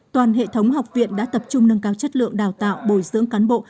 toàn hệ thống học viện đã tập trung nâng cao chất lượng đào tạo bồi dưỡng cán bộ